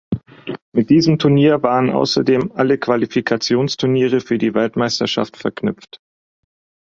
Mit diesem Turnier waren außerdem alle Qualifikationsturniere für die Weltmeisterschaft verknüpft.